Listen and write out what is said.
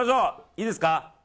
いいですか。